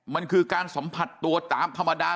มันคือการสัมผัสตัวตามธรรมดา